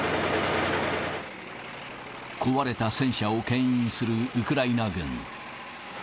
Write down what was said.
壊れた戦車をけん引するウクライナ軍。